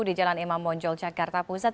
di jalan imam monjol jakarta pusat